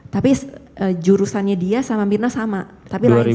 tapi jurusannya dia sama myrna sama